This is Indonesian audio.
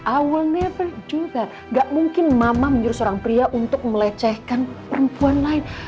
i will never do that gak mungkin mama menyuruh seorang pria untuk melecehkan perempuan lain